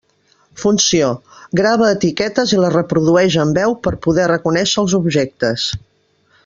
Funció: grava etiquetes i les reprodueix amb veu per poder reconèixer els objectes.